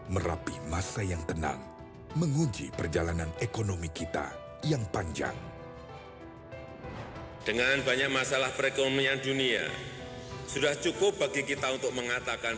merapi masa yang tenang mengunci perjalanan ekonomi kita yang panjang